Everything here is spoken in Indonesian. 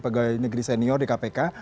pegawai negeri senior di kpk